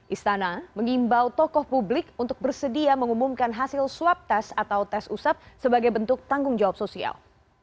istana mengimbau tokoh publik untuk bersedia mengumumkan hasil swab test atau tes usap sebagai bentuk tanggung jawab sosial